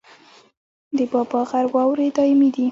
د بابا غر واورې دایمي دي